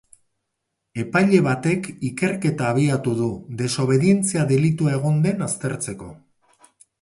Epaile batek ikerketa abitu du, desobedientzia delitua egon den aztertzeko.